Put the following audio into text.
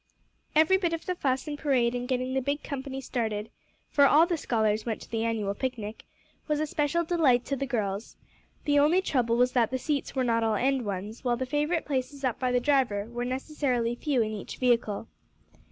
Every bit of the fuss and parade in getting the big company started for all the scholars went to the annual picnic was a special delight to the girls. The only trouble was that the seats were not all end ones, while the favorite places up by the driver were necessarily few in each vehicle.